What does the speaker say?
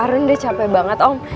karena dia capek banget om